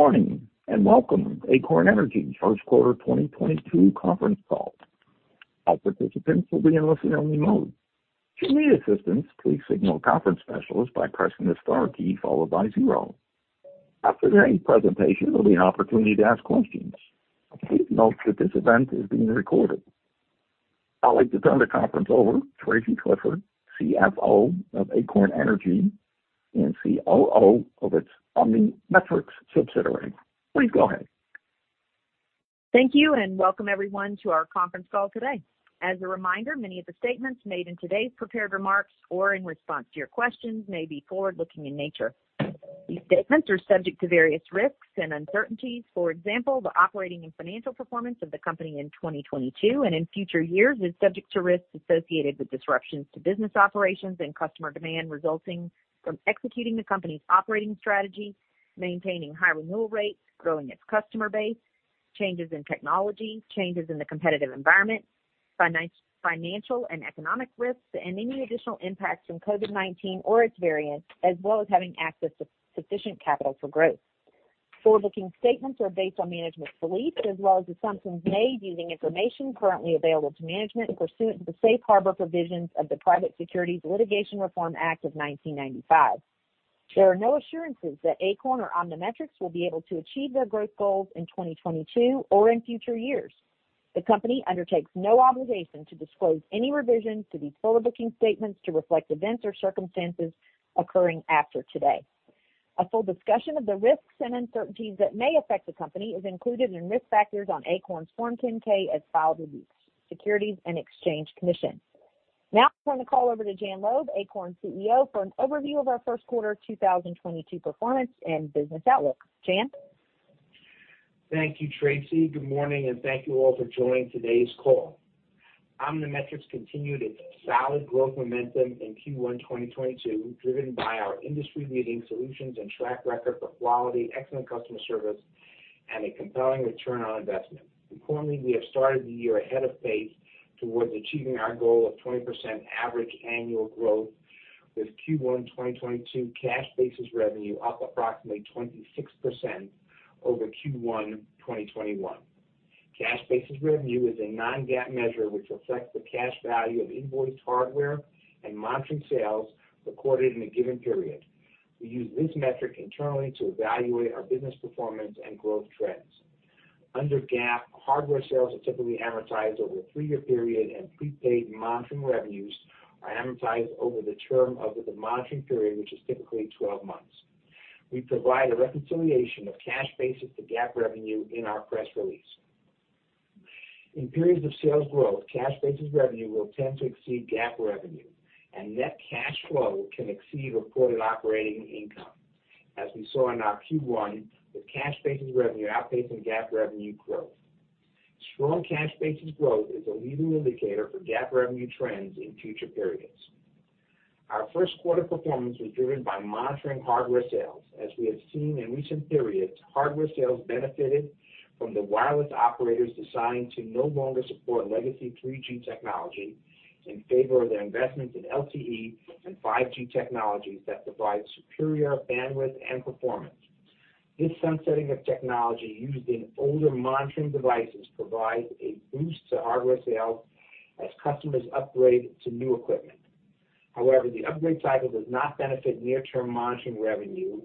Good morning, and welcome to Acorn Energy First Quarter 2022 Conference Call. All participants will be in listen-only mode. Should you need assistance, please signal a conference specialist by pressing the star key followed by zero. After today's presentation, there'll be an opportunity to ask questions. Please note that this event is being recorded. I'd like to turn the conference over to Tracy Clifford, CFO of Acorn Energy and COO of its OmniMetrix subsidiary. Please go ahead. Thank you, and welcome everyone to our conference call today. As a reminder, many of the statements made in today's prepared remarks or in response to your questions may be forward-looking in nature. These statements are subject to various risks and uncertainties. For example, the operating and financial performance of the company in 2022 and in future years is subject to risks associated with disruptions to business operations and customer demand, resulting from executing the company's operating strategy, maintaining high renewal rates, growing its customer base, changes in technology, changes in the competitive environment, financial and economic risks, and any additional impacts from COVID-19 or its variants, as well as having access to sufficient capital for growth. Forward-looking statements are based on management's beliefs as well as assumptions made using information currently available to management pursuant to the safe harbor provisions of the Private Securities Litigation Reform Act of 1995. There are no assurances that Acorn or OmniMetrix will be able to achieve their growth goals in 2022 or in future years. The company undertakes no obligation to disclose any revisions to these forward-looking statements to reflect events or circumstances occurring after today. A full discussion of the risks and uncertainties that may affect the company is included in risk factors on Acorn's Form 10-K as filed with the Securities and Exchange Commission. Now I'll turn the call over to Jan Loeb, Acorn CEO, for an overview of our first quarter 2022 performance and business outlook. Jan? Thank you, Tracy. Good morning, and thank you all for joining today's call. OmniMetrix continued its solid growth momentum in Q1 2022, driven by our industry-leading solutions and track record for quality, excellent customer service, and a compelling return on investment. Importantly, we have started the year ahead of pace towards achieving our goal of 20% average annual growth, with Q1 2022 cash basis revenue up approximately 26% over Q1 2021. Cash basis revenue is a non-GAAP measure, which reflects the cash value of invoiced hardware and monitoring sales recorded in a given period. We use this metric internally to evaluate our business performance and growth trends. Under GAAP, hardware sales are typically amortized over a 3-year period, and prepaid monitoring revenues are amortized over the term of the monitoring period, which is typically 12 months. We provide a reconciliation of cash basis revenue to GAAP revenue in our press release. In periods of sales growth, cash basis revenue will tend to exceed GAAP revenue, and net cash flow can exceed reported operating income, as we saw in our Q1, with cash basis revenue outpacing GAAP revenue growth. Strong cash basis revenue growth is a leading indicator for GAAP revenue trends in future periods. Our first quarter performance was driven by monitoring hardware sales. As we have seen in recent periods, hardware sales benefited from the wireless operators deciding to no longer support legacy 3G technology in favor of their investments in LTE and 5G technologies that provide superior bandwidth and performance. This sunsetting of technology used in older monitoring devices provides a boost to hardware sales as customers upgrade to new equipment. However, the upgrade cycle does not benefit near-term monitoring revenue,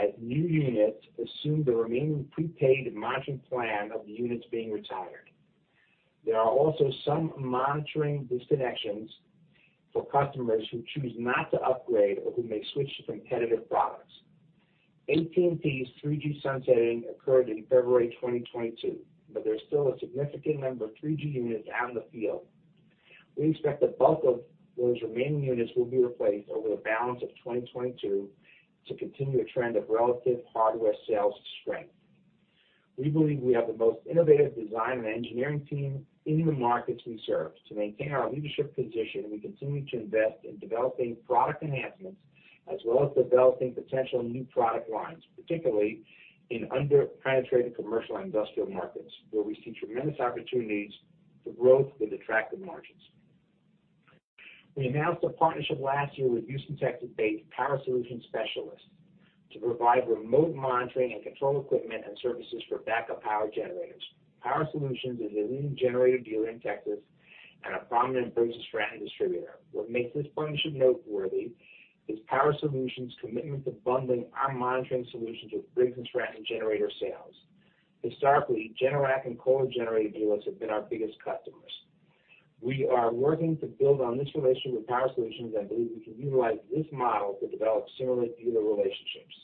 as new units assume the remaining prepaid monitoring plan of the units being retired. There are also some monitoring disconnections for customers who choose not to upgrade or who may switch to competitive products. AT&T's 3G sunsetting occurred in February 2022, but there's still a significant number of 3G units out in the field. We expect the bulk of those remaining units will be replaced over the balance of 2022 to continue a trend of relative hardware sales strength. We believe we have the most innovative design and engineering team in the markets we serve. To maintain our leadership position, we continue to invest in developing product enhancements, as well as developing potential new product lines, particularly in under-penetrated commercial and industrial markets, where we see tremendous opportunities for growth with attractive margins. We announced a partnership last year with Houston, Texas-based Power Solutions Specialists to provide remote monitoring and control equipment and services for backup power generators. Power Solutions is a leading generator dealer in Texas and a prominent Briggs & Stratton distributor. What makes this partnership noteworthy is Power Solutions' commitment to bundling our monitoring solutions with Briggs & Stratton generator sales. Historically, Generac and Kohler generator dealers have been our biggest customers. We are working to build on this relationship with Power Solutions and believe we can utilize this model to develop similar dealer relationships.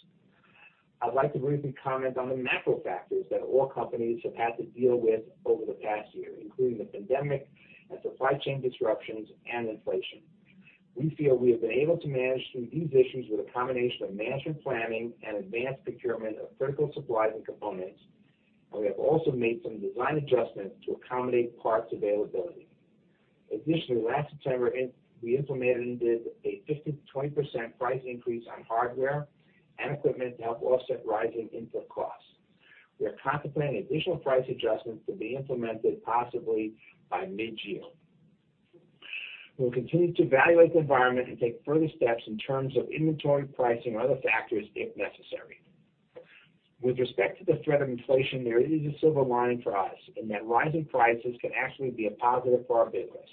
I'd like to briefly comment on the macro factors that all companies have had to deal with over the past year, including the pandemic and supply chain disruptions and inflation. We feel we have been able to manage through these issues with a combination of management planning and advanced procurement of critical supplies and components, and we have also made some design adjustments to accommodate parts availability. Additionally, last September, we implemented a 15%-20% price increase on hardware and equipment to help offset rising input costs. We are contemplating additional price adjustments to be implemented possibly by mid-year. We'll continue to evaluate the environment and take further steps in terms of inventory pricing or other factors if necessary. With respect to the threat of inflation, there is a silver lining for us, in that rising prices can actually be a positive for our business.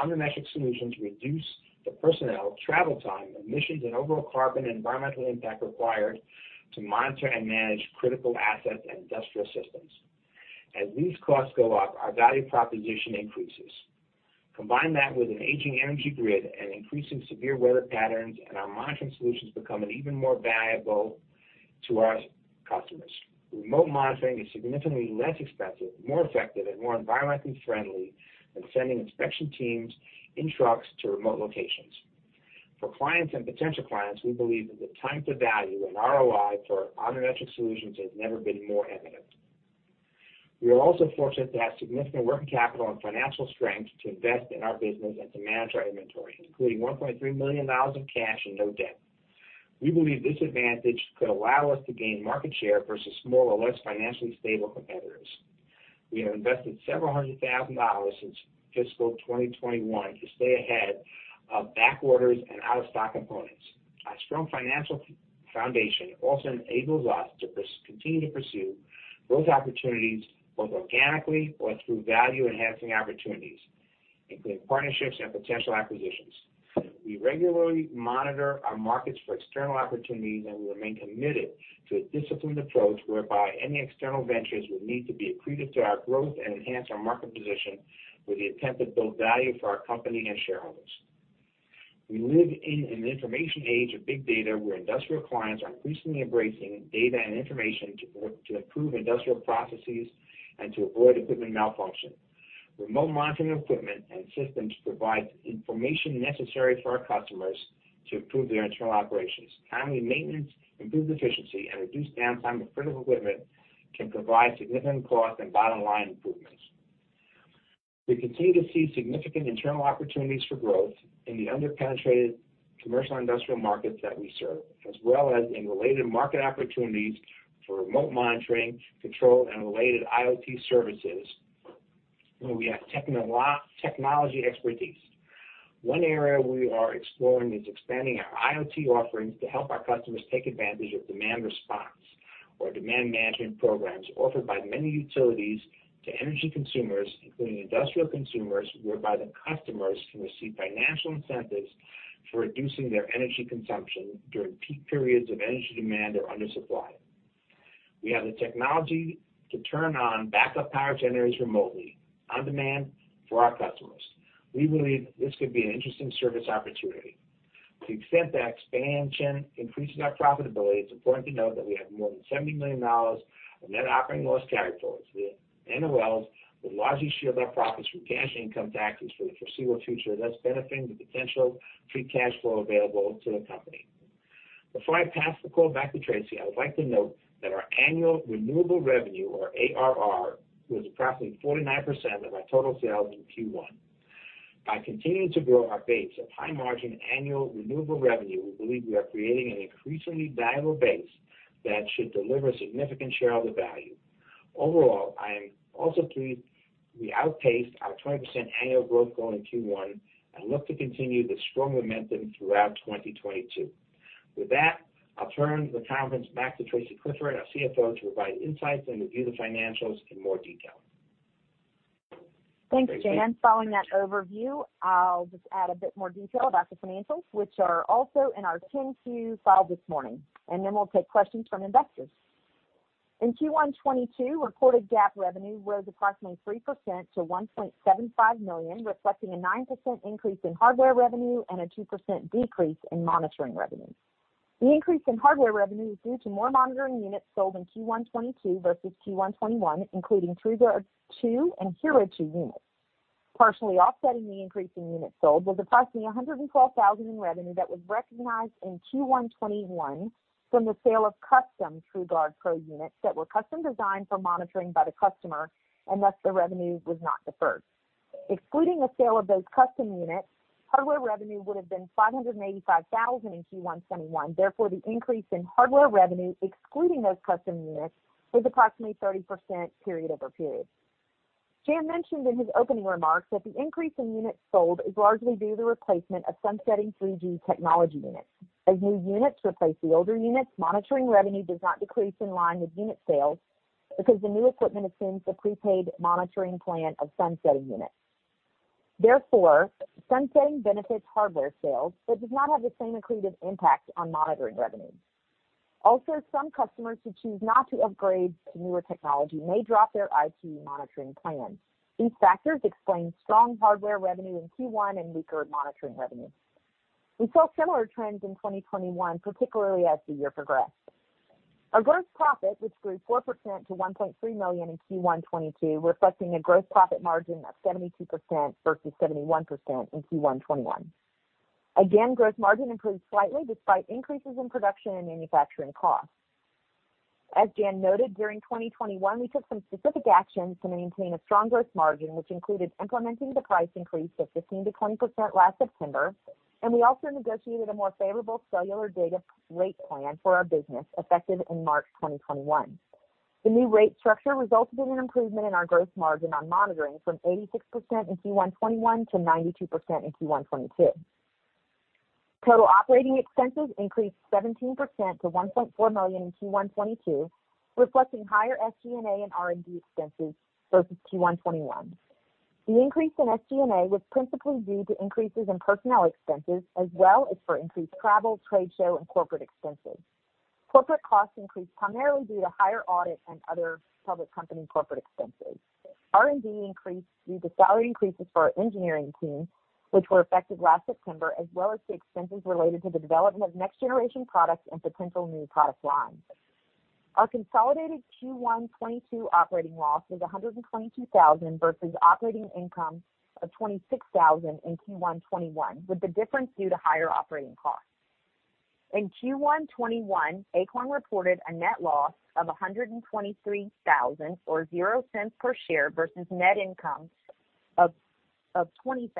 OmniMetrix solutions reduce the personnel, travel time, emissions, and overall carbon and environmental impact required to monitor and manage critical assets and industrial systems. As these costs go up, our value proposition increases. Combine that with an aging energy grid and increasing severe weather patterns, and our monitoring solutions become even more valuable to our customers. Remote monitoring is significantly less expensive, more effective, and more environmentally friendly than sending inspection teams in trucks to remote locations. For clients and potential clients, we believe that the time to value and ROI for our OmniMetrix solutions has never been more evident. We are also fortunate to have significant working capital and financial strength to invest in our business and to manage our inventory, including $1.3 million of cash and no debt. We believe this advantage could allow us to gain market share versus smaller or less financially stable competitors. We have invested several hundred thousand dollars since fiscal 2021 to stay ahead of back orders and out-of-stock components. Our strong financial foundation also enables us to continue to pursue growth opportunities, both organically or through value-enhancing opportunities, including partnerships and potential acquisitions. We regularly monitor our markets for external opportunities, and we remain committed to a disciplined approach, whereby any external ventures would need to be accretive to our growth and enhance our market position with the intent to build value for our company and shareholders. We live in an information age of big data, where industrial clients are increasingly embracing data and information to improve industrial processes and to avoid equipment malfunction. Remote monitoring of equipment and systems provides information necessary for our customers to improve their internal operations. Timely maintenance, improved efficiency, and reduced downtime of critical equipment can provide significant cost and bottom-line improvements. We continue to see significant internal opportunities for growth in the under-penetrated commercial and industrial markets that we serve, as well as in related market opportunities for remote monitoring, control, and related IoT services, where we have technology expertise. One area we are exploring is expanding our IoT offerings to help our customers take advantage of demand response or demand management programs offered by many utilities to energy consumers, including industrial consumers, whereby the customers can receive financial incentives for reducing their energy consumption during peak periods of energy demand or under supply. We have the technology to turn on backup power generators remotely, on demand for our customers. We believe this could be an interesting service opportunity. To the extent that expansion increases our profitability, it's important to note that we have more than $70 million of net operating loss carryforwards. The NOLs will largely shield our profits from cash income taxes for the foreseeable future, thus benefiting the potential free cash flow available to the company. Before I pass the call back to Tracy, I would like to note that our annual renewable revenue, or ARR, was approximately 49% of our total sales in Q1. By continuing to grow our base of high-margin annual renewable revenue, we believe we are creating an increasingly valuable base that should deliver significant shareholder value. Overall, I am also pleased we outpaced our 20% annual growth goal in Q1 and look to continue the strong momentum throughout 2022. With that, I'll turn the conference back to Tracy Clifford, our CFO, to provide insights and review the financials in more detail. Thanks, Jan. Following that overview, I'll just add a bit more detail about the financials, which are also in our 10-Q filing this morning, and then we'll take questions from investors. In Q1 2022, reported GAAP revenue rose approximately 3% to $1.75 million, reflecting a 9% increase in hardware revenue and a 2% decrease in monitoring revenue. The increase in hardware revenue is due to more monitoring units sold in Q1 2022 versus Q1 2021, including TrueGuard 2 and Hero 2 units. Partially offsetting the increase in units sold was approximately $112,000 in revenue that was recognized in Q1 2021 from the sale of custom TrueGuard-PRO units that were custom designed for monitoring by the customer, and thus, the revenue was not deferred. Excluding the sale of those custom units, hardware revenue would have been $585,000 in Q1 2021. Therefore, the increase in hardware revenue, excluding those custom units, was approximately 30% period over period. Jan mentioned in his opening remarks that the increase in units sold is largely due to the replacement of sunsetting 3G technology units. As new units replace the older units, monitoring revenue does not decrease in line with unit sales because the new equipment assumes the prepaid monitoring plan of sunsetting units. Therefore, sunsetting benefits hardware sales but does not have the same accretive impact on monitoring revenues. Also, some customers who choose not to upgrade to newer technology may drop their IoT monitoring plans. These factors explain strong hardware revenue in Q1 and weaker monitoring revenue. We saw similar trends in 2021, particularly as the year progressed. Our gross profit, which grew 4% to $1.3 million in Q1 2022, reflecting a gross profit margin of 72% versus 71% in Q1 2021. Again, gross margin improved slightly despite increases in production and manufacturing costs. As Jan noted, during 2021, we took some specific actions to maintain a strong gross margin, which included implementing the price increase of 15%-20% last September, and we also negotiated a more favorable cellular data rate plan for our business, effective in March 2021. The new rate structure resulted in an improvement in our gross margin on monitoring from 86% in Q1 2021 to 92% in Q1 2022. Total operating expenses increased 17% to $1.4 million in Q1 2022, reflecting higher SG&A and R&D expenses versus Q1 2021. The increase in SG&A was principally due to increases in personnel expenses, as well as for increased travel, trade show, and corporate expenses. Corporate costs increased primarily due to higher audit and other public company corporate expenses. R&D increased due to salary increases for our engineering team, which were affected last September, as well as the expenses related to the development of next-generation products and potential new product lines. Our consolidated Q1 2022 operating loss was $122,000 versus operating income of $26,000 in Q1 2021, with the difference due to higher operating costs. In Q1 2021, Acorn reported a net loss of $123,000 or zero cents per share versus net income of $20,000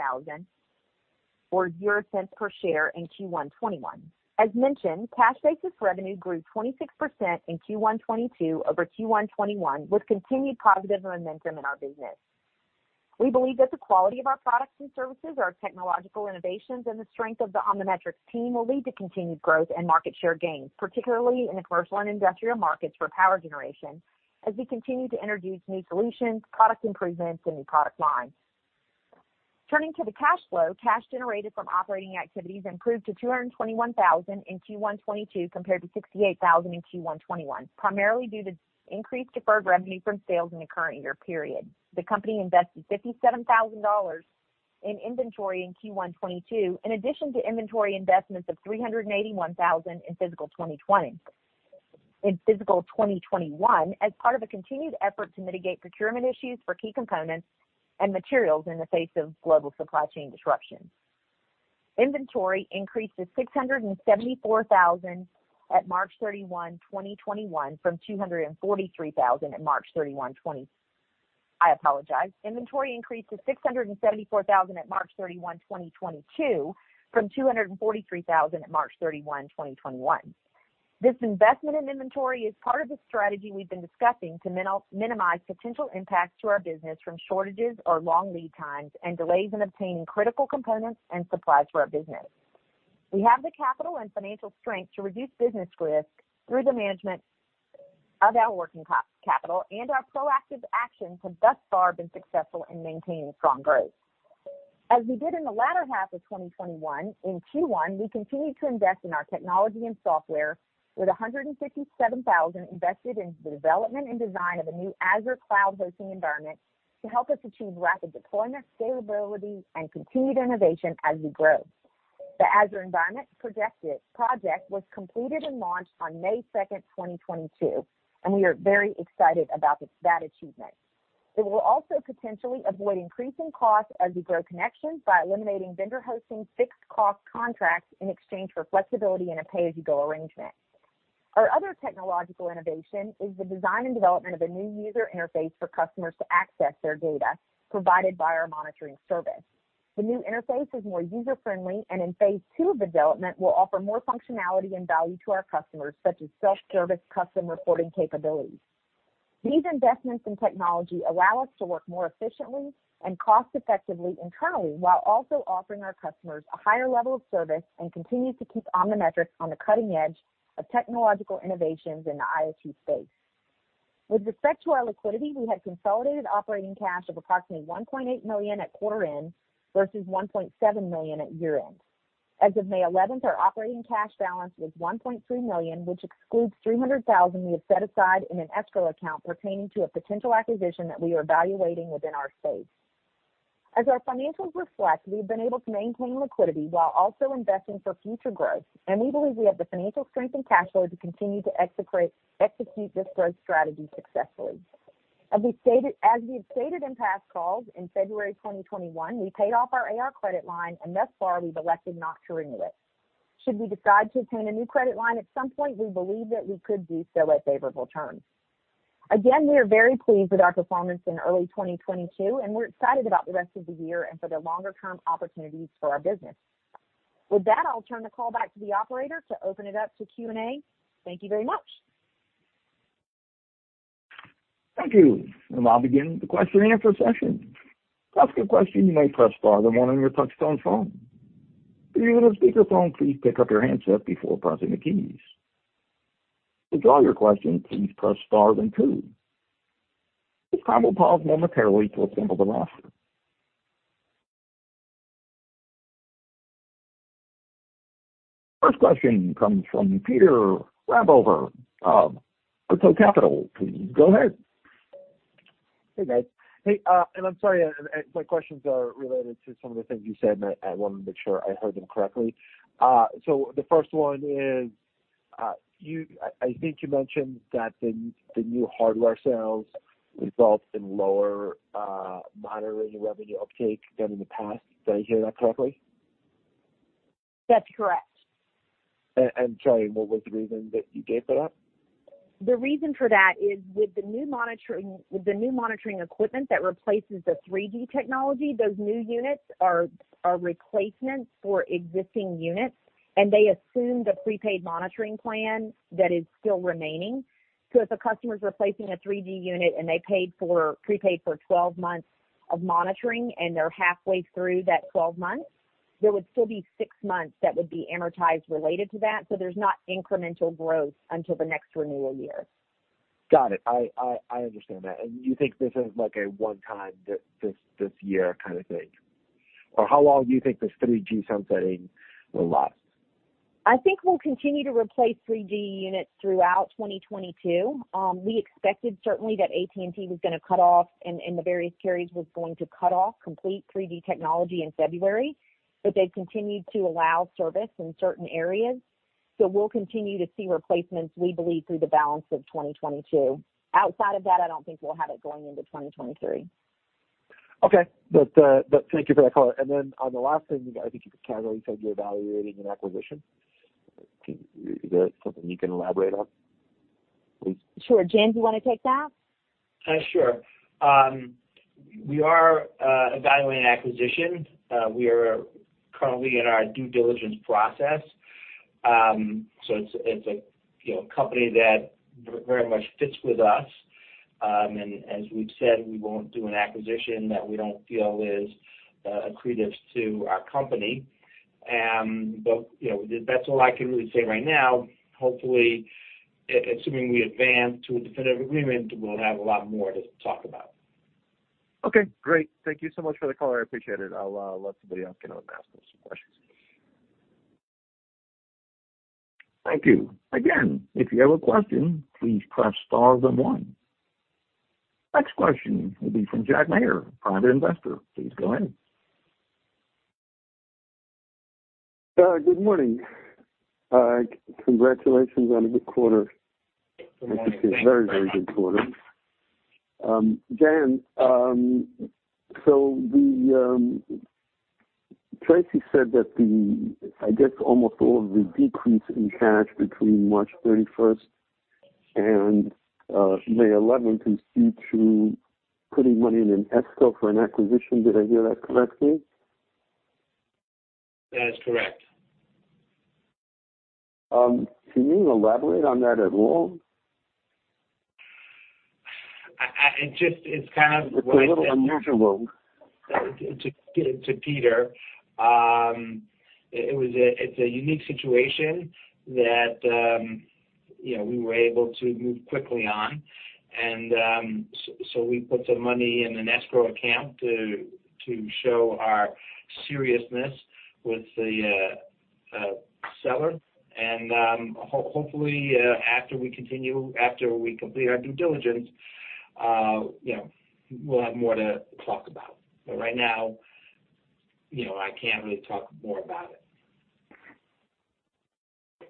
or zero cents per share in Q1 2021. As mentioned, cash basis revenue grew 26% in Q1 2022 over Q1 2021, with continued positive momentum in our business. We believe that the quality of our products and services, our technological innovations, and the strength of the OmniMetrix team will lead to continued growth and market share gains, particularly in the commercial and industrial markets for power generation, as we continue to introduce new solutions, product improvements, and new product lines. Turning to the cash flow, cash generated from operating activities improved to $221,000 in Q1 2022 compared to $68,000 in Q1 2021, primarily due to increased deferred revenue from sales in the current year period. The company invested $57,000 in inventory in Q1 2022, in addition to inventory investments of $381,000 in fiscal 2020. In fiscal 2021, as part of a continued effort to mitigate procurement issues for key components and materials in the face of global supply chain disruptions, inventory increased to $674,000 at March 31, 2021, from $243,000 at March 31, 2021. I apologize. Inventory increased to $674,000 at March 31, 2022, from $243,000 at March 31, 2021. This investment in inventory is part of the strategy we've been discussing to minimize potential impacts to our business from shortages or long lead times and delays in obtaining critical components and supplies for our business. We have the capital and financial strength to reduce business risk through the management of our working capital, and our proactive actions have thus far been successful in maintaining strong growth. As we did in the latter half of 2021, in Q1, we continued to invest in our technology and software with $157,000 invested into the development and design of a new Azure cloud hosting environment to help us achieve rapid deployment, scalability, and continued innovation as we grow. The Azure environment project was completed and launched on May 2nd, 2022, and we are very excited about that achievement. It will also potentially avoid increasing costs as we grow connections by eliminating vendor hosting fixed cost contracts in exchange for flexibility and a pay-as-you-go arrangement. Our other technological innovation is the design and development of a new user interface for customers to access their data provided by our monitoring service. The new interface is more user-friendly and in phase II of development, will offer more functionality and value to our customers, such as self-service, custom reporting capabilities. These investments in technology allow us to work more efficiently and cost-effectively internally, while also offering our customers a higher level of service and continues to keep OmniMetrix on the cutting edge of technological innovations in the IoT space. With respect to our liquidity, we had consolidated operating cash of approximately $1.8 million at quarter-end, versus $1.7 million at year-end. As of May 11th, our operating cash balance was $1.3 million, which excludes $300,000 we have set aside in an escrow account pertaining to a potential acquisition that we are evaluating within our space. As our financials reflect, we've been able to maintain liquidity while also investing for future growth, and we believe we have the financial strength and cash flow to continue to execute this growth strategy successfully. As we stated, as we have stated in past calls, in February 2021, we paid off our AR credit line, and thus far, we've elected not to renew it. Should we decide to obtain a new credit line at some point, we believe that we could do so at favorable terms. Again, we are very pleased with our performance in early 2022, and we're excited about the rest of the year and for the longer-term opportunities for our business. With that, I'll turn the call back to the operator to open it up to Q and A. Thank you very much. Thank you, and I'll begin the question and answer session. To ask a question, you may press star, the one on your touchtone phone. If you're on a speakerphone, please pick up your handset before pressing the keys. To withdraw your question, please press star then two. This time we'll pause momentarily to assemble the roster. First question comes from Peter Rabover of Artko Capital. Please go ahead. Hey, guys. Hey, and I'm sorry, my questions are related to some of the things you said, and I want to make sure I heard them correctly. So the first one is, I think you mentioned that the new hardware sales resulted in lower monitoring revenue uptake than in the past. Did I hear that correctly?... That's correct. And, sorry, what was the reason that you gave for that? The reason for that is with the new monitoring, with the new monitoring equipment that replaces the 3G technology, those new units are replacements for existing units, and they assume the prepaid monitoring plan that is still remaining. So if a customer's replacing a 3G unit, and they paid for, prepaid for 12 months of monitoring, and they're halfway through that 12 months, there would still be six months that would be amortized related to that, so there's not incremental growth until the next renewal year. Got it. I understand that. You think this is, like, a one-time, this year kind of thing? Or how long do you think this 3G sunsetting will last? I think we'll continue to replace 3G units throughout 2022. We expected certainly that AT&T was gonna cut off, and, and the various carriers was going to cut off complete 3G technology in February, but they've continued to allow service in certain areas. So we'll continue to see replacements, we believe, through the balance of 2022. Outside of that, I don't think we'll have it going into 2023. Okay. But, but thank you for that color. And then on the last thing, I think you casually said you're evaluating an acquisition. Is there something you can elaborate on, please? Sure. Jan, do you wanna take that? Sure. We are evaluating an acquisition. We are currently in our due diligence process. So it's a company that very much fits with us. And as we've said, we won't do an acquisition that we don't feel is accretive to our company. But, you know, that's all I can really say right now. Hopefully, assuming we advance to a definitive agreement, we'll have a lot more to talk about. Okay, great. Thank you so much for the color. I appreciate it. I'll let somebody else get on and ask some questions. Thank you. Again, if you have a question, please press star then one. Next question will be from Jack Mayer, private investor. Please go ahead. Good morning. Congratulations on a good quarter. Thank you. A very, very good quarter. Jan, so the, I guess, almost all of the decrease in cash between March 31st and May 11th is due to putting money in an escrow for an acquisition. Did I hear that correctly? That is correct. Can you elaborate on that at all? It just, it's kind of- It's a little unusual. To Peter, it's a unique situation that, you know, we were able to move quickly on. So we put some money in an escrow account to show our seriousness with the seller. Hopefully, after we continue, after we complete our due diligence, you know, we'll have more to talk about. But right now, you know, I can't really talk more about it.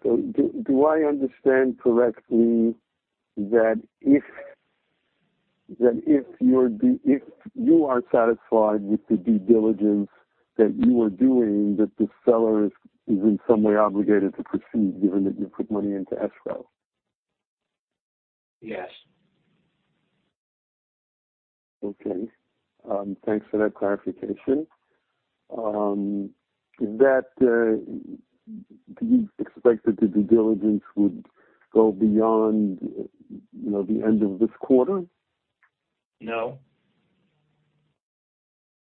So, do I understand correctly that if you are satisfied with the due diligence that you are doing, that the seller is in some way obligated to proceed, given that you've put money into escrow? Yes. Okay. Thanks for that clarification. Is that, do you expect that the due diligence would go beyond, you know, the end of this quarter? No.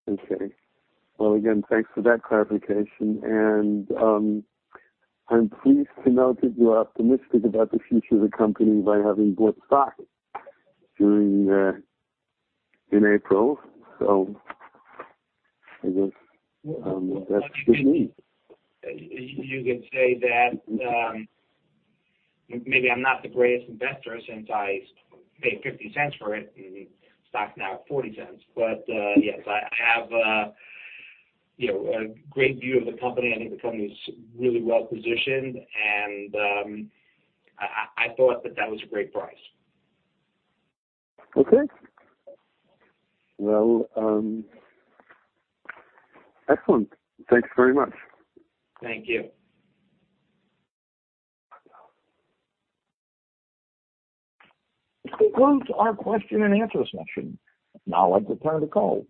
Okay. Well, again, thanks for that clarification. I'm pleased to note that you are optimistic about the future of the company by having bought stock during in April. I guess that's good news. You could say that, maybe I'm not the greatest investor, since I paid $0.50 for it, and stock's now at $0.40. But, yes, I have, you know, a great view of the company. I think the company's really well positioned, and, I thought that that was a great price. Okay. Well, excellent. Thanks very much. Thank you. That concludes our question and answer session. Now I'd like to turn the call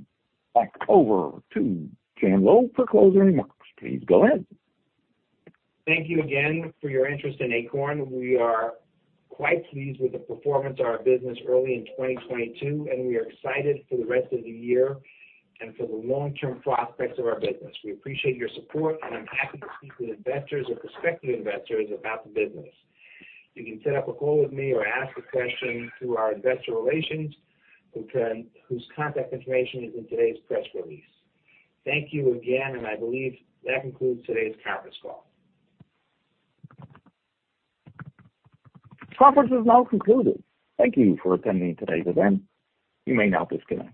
back over to Jan Loeb for closing remarks. Please go ahead. Thank you again for your interest in Acorn. We are quite pleased with the performance of our business early in 2022, and we are excited for the rest of the year and for the long-term prospects of our business. We appreciate your support, and I'm happy to speak with investors or prospective investors about the business. You can set up a call with me or ask a question through our investor relations, whose contact information is in today's press release. Thank you again, and I believe that concludes today's conference call. Conference is now concluded. Thank you for attending today's event. You may now disconnect.